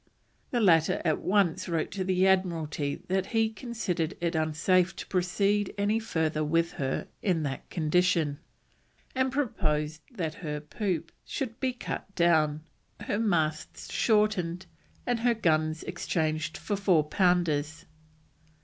The latter at once wrote to the Admiralty that he considered it unsafe to proceed any further with her in that condition, and proposed that her poop should be cut down, her masts shortened, and her guns exchanged to four pounders.